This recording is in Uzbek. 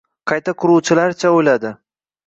Qayta quruvchilarcha o‘yladi.